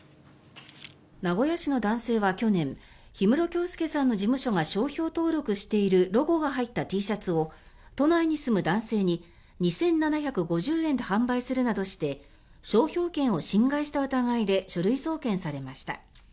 名古屋市の男性は去年氷室京介さんの事務所が商標登録しているロゴが入ったＴシャツを都内に住む男性に２７５０円で販売するなどして商標権を侵害した疑いで書類送検されました。